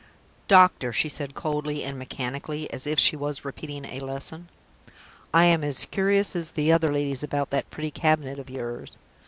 "Doctor," she said, coldly and mechanically, as if she was repeating a lesson, "I am as curious as the other ladies about that pretty cabinet of yours.